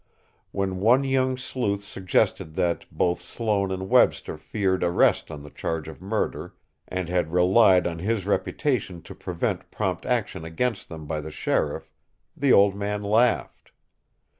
When one young sleuth suggested that both Sloane and Webster feared arrest on the charge of murder and had relied on his reputation to prevent prompt action against them by the sheriff, the old man laughed.